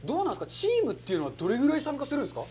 チームというのはどれぐらい参加するんですか。